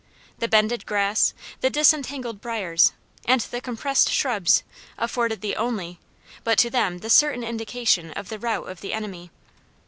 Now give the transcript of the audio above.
The bended grass, the disentangled briars, and the compressed shrubs afforded the only, but to them the certain indication of the route of the enemy.